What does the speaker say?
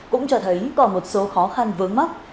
cũng cho thấy còn một số khó khăn vướng mắt